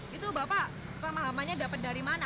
itu bapak pemahamannya dapat dari mana